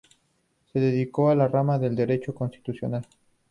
Se dedicó a la rama de derecho constitucional.